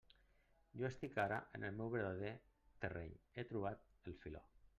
Jo estic ara en el meu verdader terreny; he trobat el filó.